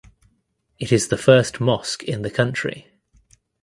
It is the first mosque in the country.